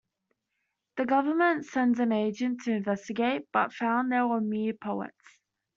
The Government sent an agent to investigate, but found they were "mere poets".